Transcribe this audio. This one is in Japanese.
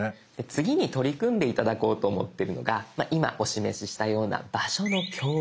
次に取り組んで頂こうと思ってるのが今お示ししたような「場所の共有」。